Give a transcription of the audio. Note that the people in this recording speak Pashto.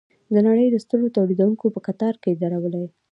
د نړۍ د سترو تولیدوونکو په کتار کې دریدلي.